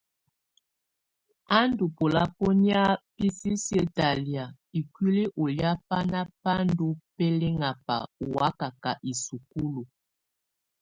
A ndɔ̀ bɔlabɔnɛ̀á bi sisiǝ́ talɛa ikuili ɔ lɛa bana bá ndɔ̀ bɛlɛŋaba ɔ́ wakaka í sukúlu.